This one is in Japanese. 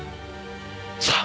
さあ！